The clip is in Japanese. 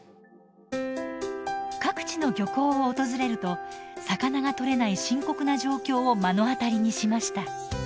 各地の漁港を訪れると魚が獲れない深刻な状況を目の当たりにしました。